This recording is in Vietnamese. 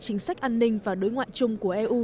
chính sách an ninh và đối ngoại chung của eu